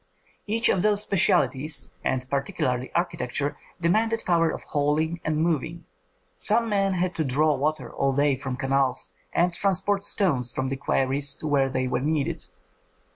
Each of those specialties, and particularly architecture, demanded power of hauling and moving; some men had to draw water all day from canals, or transport stones from the quarries to where they were needed.